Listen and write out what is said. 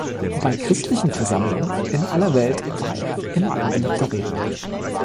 Bei christlichen Versammlungen in aller Welt war er immer ein beliebter Redner.